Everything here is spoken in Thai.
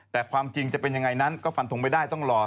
แต่ความจริงจะเป็นยังไงนั้นก็ฟันทงไม่ได้ต้องรอ